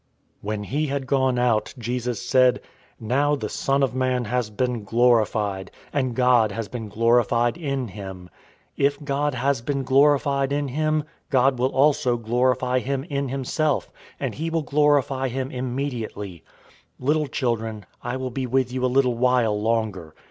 013:031 When he had gone out, Jesus said, "Now the Son of Man has been glorified, and God has been glorified in him. 013:032 If God has been glorified in him, God will also glorify him in himself, and he will glorify him immediately. 013:033 Little children, I will be with you a little while longer.